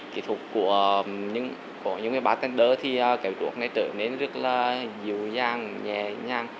kỹ thuật của những bartender thì cái ruốc này trở nên rất là dịu dàng nhẹ nhàng